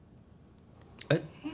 えっ？